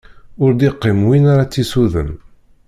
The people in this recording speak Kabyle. Ur d-iqqim win ar ad tt-isuḍen.